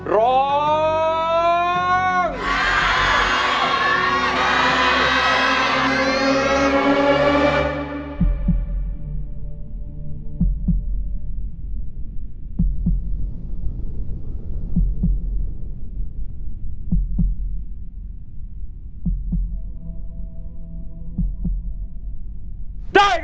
ร้อง